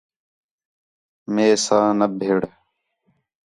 میسا نہ بِھڑ